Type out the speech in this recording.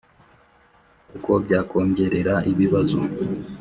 kuko byakongerera ibibazo